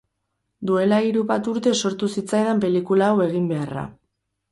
Duela hiru bat urte sortu zitzaidan pelikula hau egin beharra.